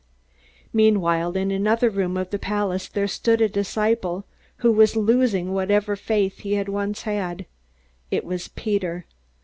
Meanwhile, in another room of the palace, there stood a disciple who was losing whatever faith he had once had. It was Peter.